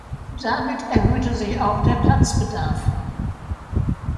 Damit erhöhte sich auch der Platzbedarf.